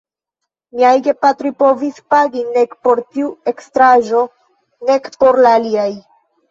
Miaj gepatroj povis pagi nek por tiu ekstraĵo, nek por la aliaj.